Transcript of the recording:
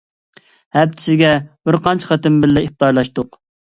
ھەپتىسىگە بىرقانچە قېتىم بىللە ئىپتارلاشتۇق.